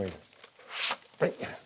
はい。